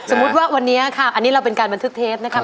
สมมุติว่าวันนี้ค่ะอันนี้เราเป็นการบันทึกเทปนะครับ